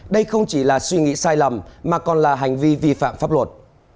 đây không chỉ là suy nghĩ sai lầm mà còn là hành vi vi phạm pháp luật